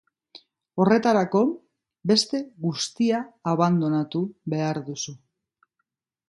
Horretarako, beste guztia abandonatu behar duzu.